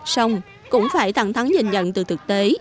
xong cũng phải thẳng thắng nhìn nhận từ thực tế